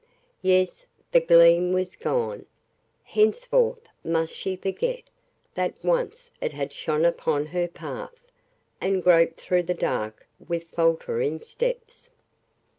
Yes, the gleam was gone. Henceforth must she forget that once it had shone upon her path, and grope through the dark with faltering steps.